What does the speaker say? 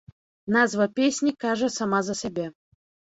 Назва песні кажа сама за сябе.